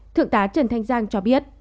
thượng tá trần thanh giang cho biết